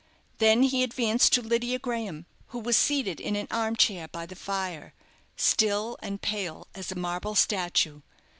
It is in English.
Then he advanced to Lydia Graham, who was seated in an arm chair by the fire, still, and pale as a marble statue.